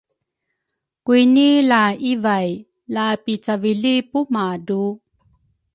Kwini laivay la picayli pumadru?